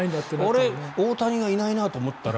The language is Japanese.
大谷がいないなと思ったら。